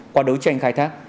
qua đấu tranh khai thác